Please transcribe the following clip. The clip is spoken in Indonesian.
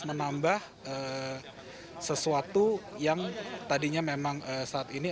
menambah sesuatu yang tadinya memang saat ini